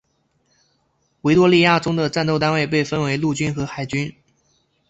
维多利亚中的战斗单位被分为陆军和海军。